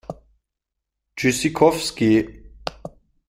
Tschüssikowski!